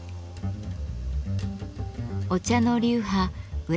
お茶の流派裏